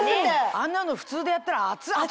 あんなの普通でやったら「熱っ熱っ！」